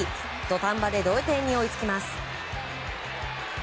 土壇場で同点に追いつきます。